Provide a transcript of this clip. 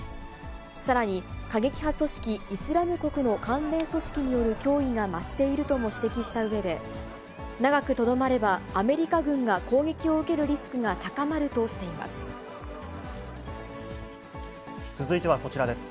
さらに、過激派組織イスラム国の関連組織による脅威が増しているとも指摘したうえで、長くとどまれば、アメリカ軍が攻撃を受けるリスク続いてはこちらです。